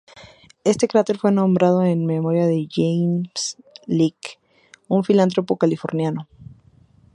Este cráter fue nombrado en memoria de James Lick, un filántropo californiano.